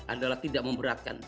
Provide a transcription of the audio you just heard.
adalah tidak memberatkan